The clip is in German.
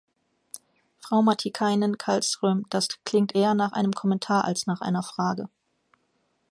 Frau Matikainen-Kallström, das klingt eher nach einem Kommentar als nach einer Frage.